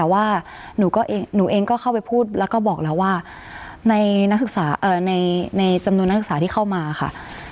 ว่าหนูเองก็เข้าไปพูดแล้วก็บอกแล้วว่าในจำนวนนักศึกษาที่เข้ามาค่ะ